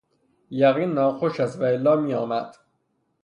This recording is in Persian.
یقین ناخوش است و الا می آمد